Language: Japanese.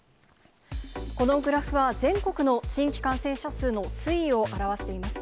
このグラフは、全国の新規感染者数の推移を表しています。